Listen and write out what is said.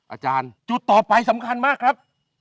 อาจารย์จุดต่อไปสำคัญมากครับ